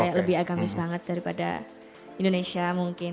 kayak lebih agamis banget daripada indonesia mungkin